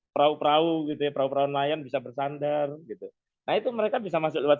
perahu perahu gitu ya perahu perahu nelayan bisa bersandar gitu nah itu mereka bisa masuk lewat